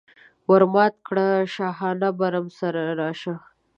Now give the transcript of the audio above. ور مات کړه د شاهانه برم سره راشه.